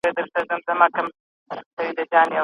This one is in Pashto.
سمه ارزیابي د غلطې ارزیابۍ په پرتله ډېر وخت غواړي.